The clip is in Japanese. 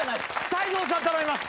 泰造さん頼みます。